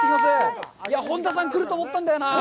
本多さん、来ると思ったんだよなぁ。